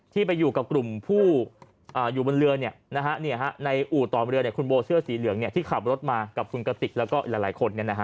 ไปอยู่กับกลุ่มผู้อยู่บนเรือในอู่ต่อเรือคุณโบเสื้อสีเหลืองที่ขับรถมากับคุณกติกแล้วก็อีกหลายคน